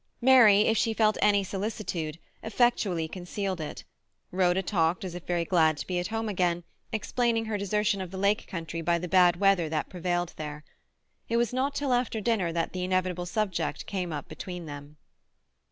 Mary, if she felt any solicitude, effectually concealed it; Rhoda talked as if very glad to be at home again, explaining her desertion of the lake country by the bad weather that prevailed there. It was not till after dinner that the inevitable subject came up between them.